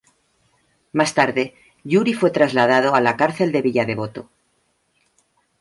Más tarde, Juri fue trasladado a la Cárcel de Villa Devoto.